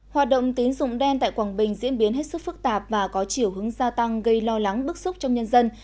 hoạt động tín dụng đen tại quảng bình diễn biến hết sức phức tạp và có chiều hướng gia tăng gây lo lắng bức xúc trong nhân dân